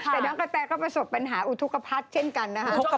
แต่น้องกระแตก็ประสบปัญหาอุทธกภัทรเช่นกันนะคะ